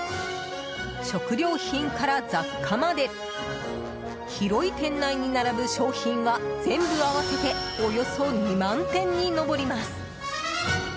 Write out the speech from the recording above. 食料品から雑貨まで広い店内に並ぶ商品は全部合わせておよそ２万点に上ります。